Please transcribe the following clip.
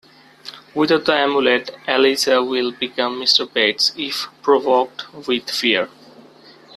Without the amulet, Alyssa will become Mr. Bates if provoked with fear.